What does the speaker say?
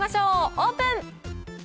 オープン。